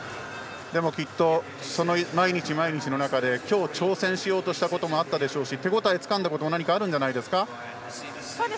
でもきっと、その毎日の中で今日、挑戦しようとしたこともあったでしょうし手応えつかんだものも何かあるんじゃないんでしょうか。